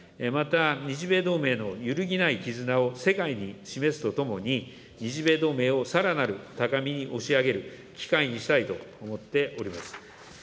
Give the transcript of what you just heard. また、日米同盟の揺るぎない絆を世界に示すとともに、日米同盟をさらなる高みに押し上げる機会にしたいと思っております。